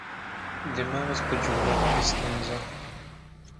د مغز په جوړښت کې ستونزه